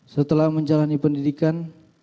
setelah menjalani pendidikan